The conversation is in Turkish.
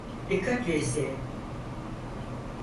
Dikkatle izleyin.